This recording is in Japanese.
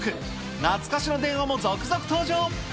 懐かしの電話も続々登場。